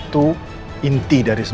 bukti baru apa